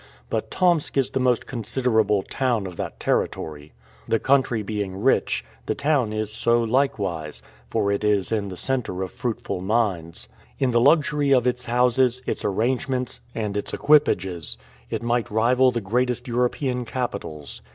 But Tomsk is the most considerable town of that territory. The country being rich, the town is so likewise, for it is in the center of fruitful mines. In the luxury of its houses, its arrangements, and its equipages, it might rival the greatest European capitals.